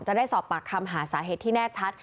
จะได้สอบปากคำหาสาเหตุที่แน่ชัด